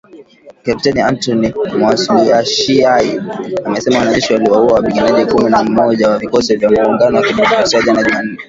Kepteni Antony Mualushayi, amesema wanajeshi waliwaua wapiganaji kumi na mmoja wa Vikosi vya Muungano wa Kidemokrasia jana Jumanne